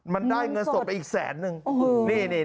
มันได้เงินสดไปอีกแสนนึง